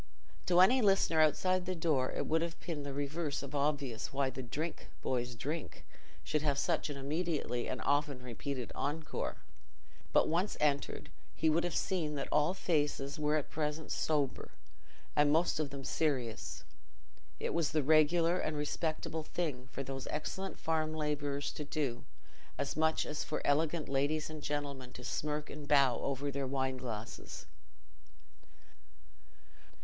To any listener outside the door it would have been the reverse of obvious why the "Drink, boys, drink!" should have such an immediate and often repeated encore; but once entered, he would have seen that all faces were at present sober, and most of them serious—it was the regular and respectable thing for those excellent farm labourers to do, as much as for elegant ladies and gentlemen to smirk and bow over their wine glasses.